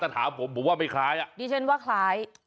ถ้าถามผมบอกว่าไม่คล้ายดีเช่นว่าคล้าย